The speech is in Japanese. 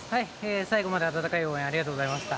最後まで温かい応援ありがとうございました。